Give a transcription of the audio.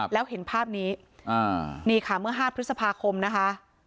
แล้วเห็นภาพนี้นี่ค่ะเมื่อ๕พฤษภาคมนะคะ